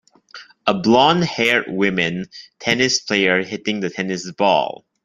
A blondhaired women tennis player hitting the tennis ball.